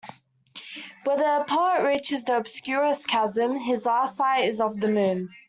When the Poet reaches the "obscurest chasm," his last sight is of the moon.